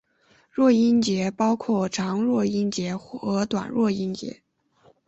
弱音节包括长弱音节和短弱音节。